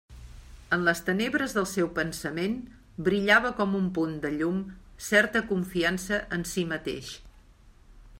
En les tenebres del seu pensament brillava com un punt de llum certa confiança en si mateix.